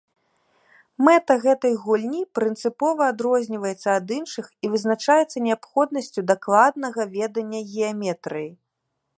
Мэта гэтай гульні прынцыпова адрозніваецца ад іншых і вызначаецца неабходнасцю дакладнага ведання геаметрыі.